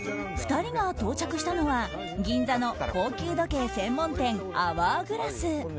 ２人が到着したのは銀座の高級時計専門店アワーグラス。